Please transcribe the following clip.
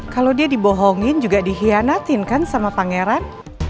kalau dia dibohongin juga dihianatin kan sama pangeran